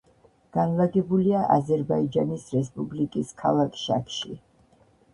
განლაგებულია აზერბაიჯანის რესპუბლიკის ქალაქ შაქში.